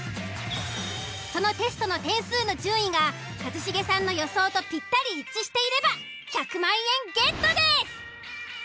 そのテストの点数の順位が一茂さんの予想とぴったり一致していれば１００万円ゲットです！